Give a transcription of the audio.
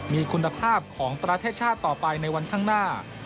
มีคุณภาพของประเทศชาติต่อไปในวันข้างหน้า